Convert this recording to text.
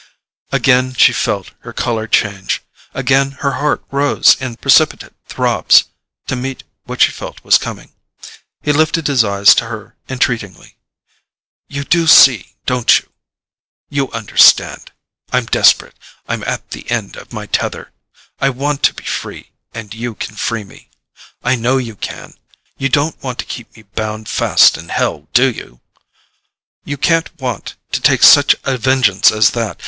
Again she felt her colour change; again her heart rose in precipitate throbs to meet what she felt was coming. He lifted his eyes to her entreatingly. "You do see, don't you? You understand? I'm desperate—I'm at the end of my tether. I want to be free, and you can free me. I know you can. You don't want to keep me bound fast in hell, do you? You can't want to take such a vengeance as that.